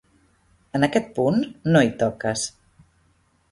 En aquest punt no hi toques.